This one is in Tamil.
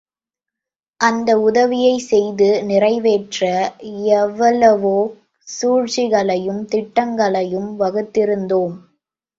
அந்த உதவியைச் செய்து நிறைவேற்ற எவ்வளவோ சூழ்ச்சிகளையும் திட்டங்களையும் வகுத்திருந்தோம்.